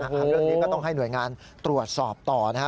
เรื่องนี้ก็ต้องให้หน่วยงานตรวจสอบต่อนะฮะ